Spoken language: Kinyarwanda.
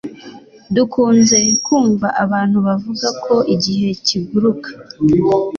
Dukunze kumva abantu bavuga ko igihe kiguruka